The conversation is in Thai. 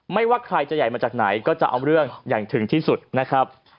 ว่าใครจะใหญ่มาจากไหนก็จะเอาเรื่องอย่างถึงที่สุดนะครับ